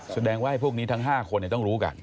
สุดแดงไว้พวกนี้ทั้ง๕คนเนี่ยต้องรู้กัน